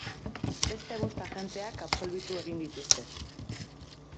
Beste bost agenteak absolbitu egin dituzte.